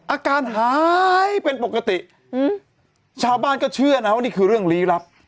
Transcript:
อาการหายเป็นปกติชาวบ้านก็เชื่อนะว่านี่คือเรื่องลี้ลับ